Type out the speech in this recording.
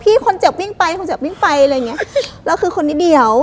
คนเจ็บวิ่งไปคนเจ็บวิ่งไปอะไรอย่างเงี้ยแล้วคือคนนิดเดียว